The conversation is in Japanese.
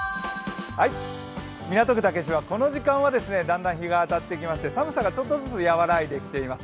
港区竹芝はこの時間はだんだん日が当たってきまして寒さがちょっとずつ和らいできています。